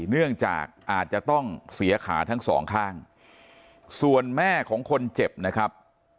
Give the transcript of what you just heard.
เนื่องจากอาจจะต้องเสียขาทั้งสองข้างส่วนแม่ของคนเจ็บนะครับ